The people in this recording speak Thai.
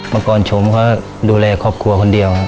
มากกอนฉมดูแลครอบครัวคนเดียว